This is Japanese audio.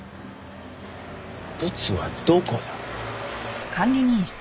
ブツはどこだ？